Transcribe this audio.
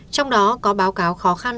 trong đó có báo cáo khó khăn